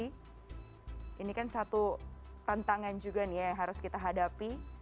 ini kan satu tantangan juga nih ya yang harus kita hadapi